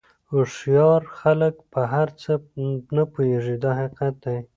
هوښیار خلک په هر څه نه پوهېږي دا حقیقت دی.